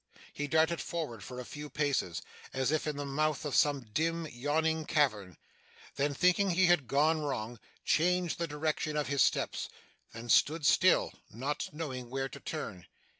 He darted forward for a few paces, as if into the mouth of some dim, yawning cavern; then, thinking he had gone wrong, changed the direction of his steps; then stood still, not knowing where to turn.